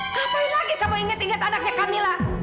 ngapain lagi kamu inget inget anaknya kamila